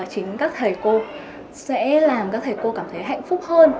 chính các thầy cô sẽ làm các thầy cô cảm thấy hạnh phúc hơn